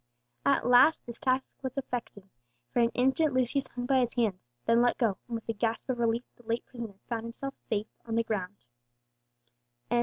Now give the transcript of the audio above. At last this task was effected; for an instant Lucius hung by his hands then let go and with a gasp of relief the late prisoner found himself safe on the ground.